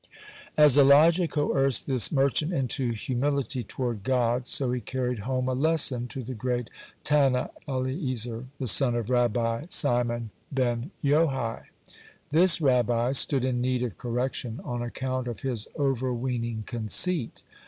(71) As Elijah coerced this merchant into humility toward God, so he carried home a lesson to the great Tanna Eliezer, the son of Rabbi Simon ben Yohai. This Rabbi stood in need of correction on account of his overweening conceit.